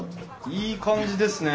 いい感じですね。